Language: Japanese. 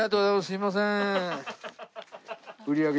すいません。